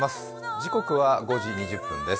時刻は５時２０分です。